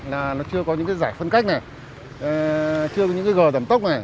là nó chưa có những cái giải phân cách này chưa có những cái gờ giảm tốc này